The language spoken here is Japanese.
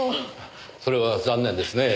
それは残念ですね。